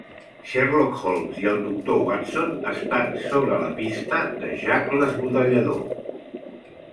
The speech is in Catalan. Sherlock Holmes i el doctor Watson estan sobre la pista de Jack l'Esbudellador.